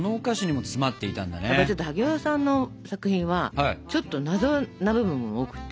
ちょっと萩尾さんの作品はちょっと謎な部分も多くて。